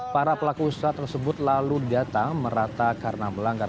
para pelaku usaha tersebut lalu didata merata karena melanggar